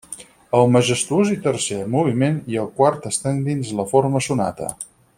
El majestuós i lent tercer moviment i el quart estan dins la forma sonata.